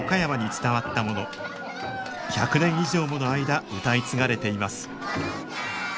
１００年以上もの間歌い継がれています